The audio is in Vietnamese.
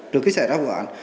trước khi xảy ra vụ án